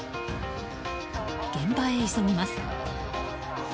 現場へ急ぎます。